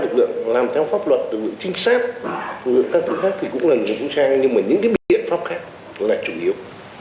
nhưng mà những cái biện pháp khác là chủ yếu